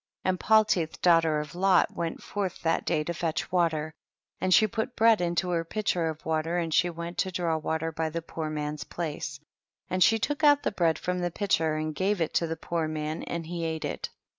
31. And Paltitli daughter of Lot went forth that day to fetch water, and she put bread into her pitcher of water, and she went to draw water by the poor man's place, and she took out the bread from the pitcher and gave it to the poor man and he ate it.